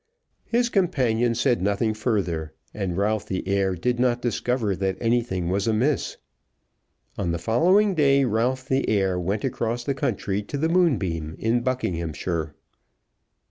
His companion said nothing further, and Ralph the heir did not discover that anything was amiss. On the following day Ralph the heir went across the country to the Moonbeam in Buckinghamshire.